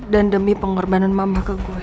dan demi pengorbanan mamah ke gue